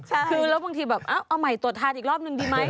คือแล้วบางทีแบบเอาใหม่ตรวจทานอีกรอบนึงดีไหม